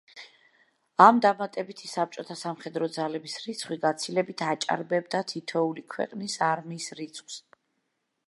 ამ დამატებითი საბჭოთა სამხედრო ძალების რიცხვი გაცილებით აჭარბებდა თითოეული ქვეყნის არმიის რიცხვს.